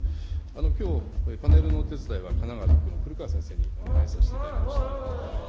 きょう、パネルのお手伝いは、神奈川６区のふるかわ先生にお願いさせていただきました。